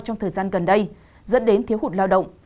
trong thời gian gần đây dẫn đến thiếu hụt lao động